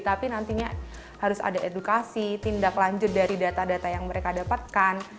tapi nantinya harus ada edukasi tindak lanjut dari data data yang mereka dapatkan